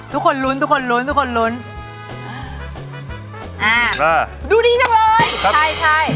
ทุกคนลุ้นทุกคนลุ้นทุกคนลุ้นอ่าอ่าดูดีจังเลยใช่ใช่